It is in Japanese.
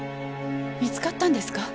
見つかったんですか？